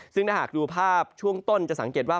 ซึ่งถ้าหากดูภาพช่วงต้นจะสังเกตว่า